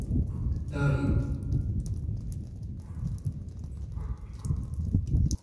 ダーリン